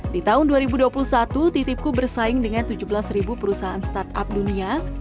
di tahun dua ribu dua puluh satu titipku bersaing dengan tujuh belas perusahaan startup dunia